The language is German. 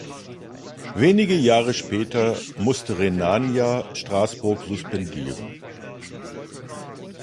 Wenige Jahre später musste Rhenania Straßburg suspendieren.